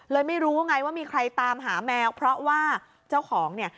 ไม่รู้ไงว่ามีใครตามหาแมวเพราะว่าเจ้าของเนี่ย